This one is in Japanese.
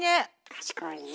賢いね。